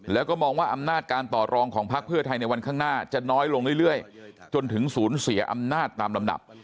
แล้วก็มองว่าอำนาจการต่อรองของพักเพื่อไทยในวันข้างหน้าจะน้อยลงเรื่อยจนถึงศูนย์เสียอำนาจตามลำดับ